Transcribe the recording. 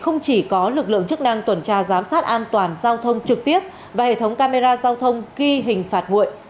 không chỉ có lực lượng chức năng tuần tra giám sát an toàn giao thông trực tiếp và hệ thống camera giao thông ghi hình phạt nguội